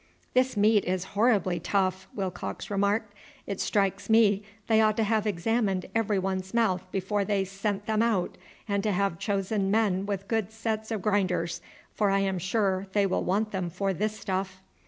"This meat is horribly tough," Willcox remarked. "It strikes me they ought to have examined every one's mouth before they sent them out, and to have chosen men with good sets of grinders, for I am sure they will want them for this stuff."